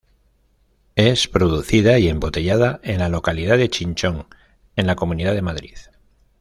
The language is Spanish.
Es producida y embotellada en la localidad de Chinchón, en la Comunidad de Madrid.